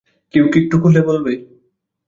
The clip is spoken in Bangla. কেউ কি একটু খুলে বলবে?